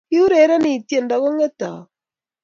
Kiurereni tyendo kongete au?